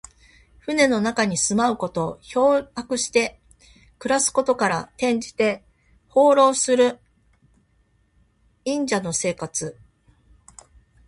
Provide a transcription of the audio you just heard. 船の中に住まうこと。漂泊して暮らすことから、転じて、放浪する隠者の生活。